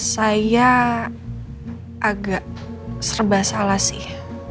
saya agak serba salah sih